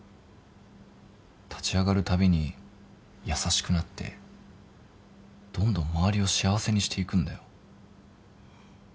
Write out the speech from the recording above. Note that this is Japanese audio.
立ち上がるたびに優しくなってどんどん周りを幸せにしていくんだよ。